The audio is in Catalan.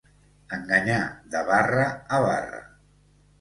Enganyar de barra a barra.